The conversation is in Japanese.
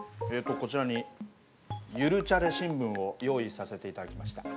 こちらに「ゆるチャレ新聞」を用意させて頂きました。